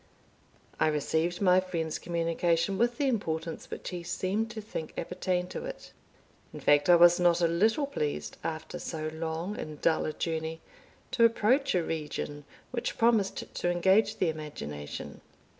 I received my friend's communication with the importance which he seemed to think appertained to it. In fact, I was not a little pleased, after so long and dull a journey, to approach a region which promised to engage the imagination.